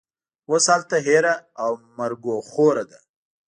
اوس هلته هېره او مرګوخوره ده